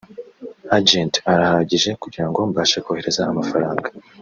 Agent arahagije kugira ngo mbashe kohereza amafaranga